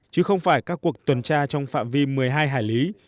chứ không phải các cuộc tuần tra trong phạm vi một mươi hai hải lý